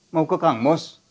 mau ke kang mos